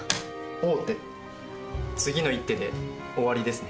王手次の一手で終わりですね。